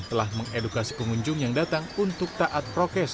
telah mengedukasi pengunjung yang datang untuk taat prokes